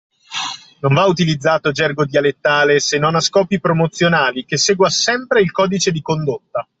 Non va utilizzato gergo dialettale se non a scopi promozionali che segua sempre il codice di condotta.